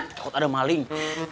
takut ada maling